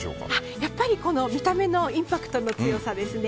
やっぱり見た目のインパクトの強さですね。